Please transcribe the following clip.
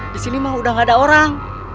disini mah udah gak ada orang